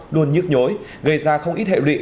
luôn nhức nhối gây ra không ít hệ lụy